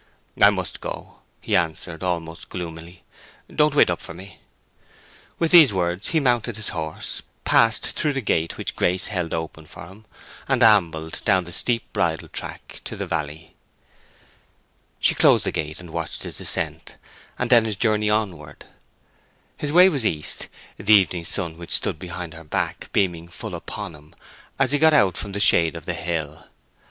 "I must go," he answered, almost gloomily. "Don't wait up for me." With these words he mounted his horse, passed through the gate which Grace held open for him, and ambled down the steep bridle track to the valley. She closed the gate and watched his descent, and then his journey onward. His way was east, the evening sun which stood behind her back beaming full upon him as soon as he got out from the shade of the hill.